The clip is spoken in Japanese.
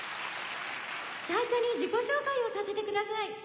最初に自己紹介をさせてください。